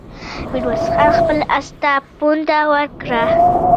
ميرويس خان خپل آس ته پونده ورکړه.